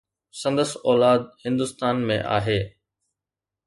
سندن اولاد هندستان ۾ آهي.